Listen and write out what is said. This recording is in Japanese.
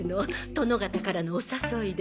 殿方からのお誘いで。